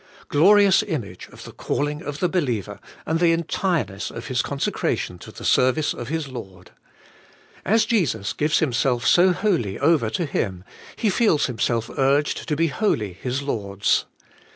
Glorious image of the calling of the believer, and the entireness of his consecration to the service of his Lord. As Jesus gives Himself so wholly over to him, he feels himself urged to be wholly his Lord's.